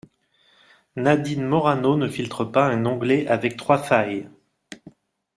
Nadine Morano ne filtre pas un onglet avec trois failles.